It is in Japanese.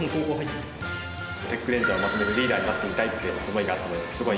テックレンジャーをまとめるリーダーになってみたいって思いがあったのですごい